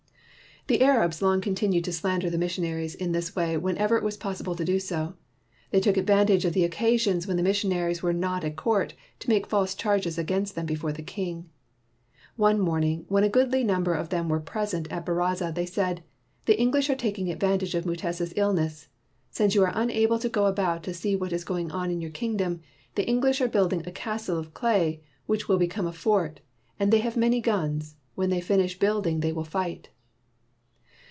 143 WHITE MAN OF WORK The Arabs long continued to slander the missionaries in this way whenever it was possible to do so. They took advantage of the occasions when the missionaries were not at court to make false charges against them before the king. One morning when a goodly number of them were present at baraza, they said, "The English are taking advantage of Mu tesa's illness. Since you are unable to go about to see what is going on in your king dom, the English are building a castle of clay which will become a fort ; and they have many guns. When they finish building they will fight."